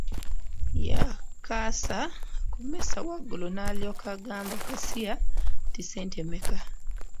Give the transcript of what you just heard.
Yakassa ku mmeeza waggulu, n'alyoka agamba kasiya nti ssente mmeka?